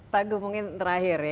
tadu mungkin terakhir ya